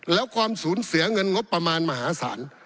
แล้วความสูญเสียเงินงบประมาณมหาศาล